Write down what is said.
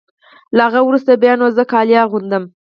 له هغه وروسته بیا نو زه کالي اغوندم.